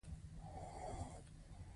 هغه د طبیعت په یو ځواک باندې حاکم شو.